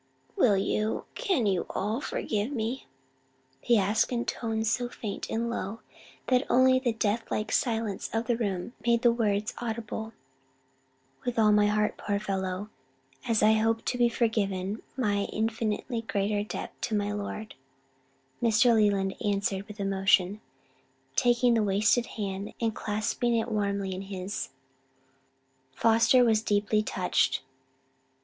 "Will you, can you all forgive me?" he asked in tones so faint and low, that only the death like silence of the room made the words audible. "With all my heart, my poor fellow, as I hope to be forgiven my infinitely greater debt to my Lord," Mr. Leland answered with emotion, taking the wasted hand and clasping it warmly in his. Foster was deeply touched.